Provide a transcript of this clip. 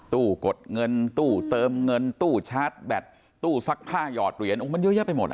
กดเงินตู้เติมเงินตู้ชาร์จแบตตู้ซักผ้าหยอดเหรียญมันเยอะแยะไปหมดอ่ะ